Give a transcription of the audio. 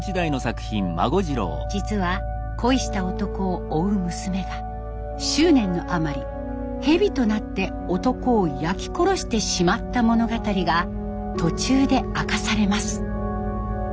実は恋した男を追う娘が執念のあまり蛇となって男を焼き殺してしまった物語が途中で明かされます。